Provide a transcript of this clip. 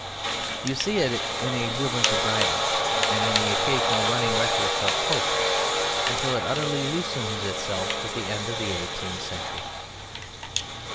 You see it in the exuberance of Dryden and in the occasional running rhetoric of Pope, until it utterly loosens itself with the end of the eighteenth century.